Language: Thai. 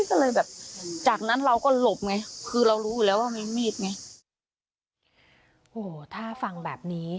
โอ้โหถ้าฟังแบบนี้